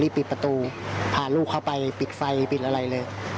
ปิดประตูพาลูกเข้าไปปิดไฟปิดอะไรเลย